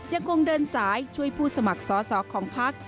ยังคงเดินสายช่วยผู้สมัครสอสอของพัก